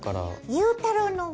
ゆうたろうのＹ。